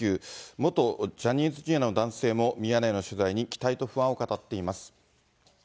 元ジャニーズＪｒの男性もミヤネ屋の取材に期待と不安を語っています。